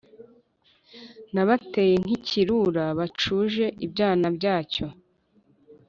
Nabateye nk’ikirura bacuje ibyana byacyo,